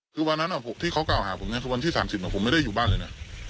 คือวันนั้นที่เขากล่าวหาผมคือวันที่๓๐ผมไม่ได้อยู่บ้านเลยนะ